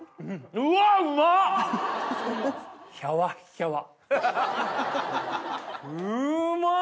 うまい！